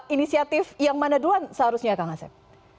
inisiatif yang mana doang seharusnya kak ngasem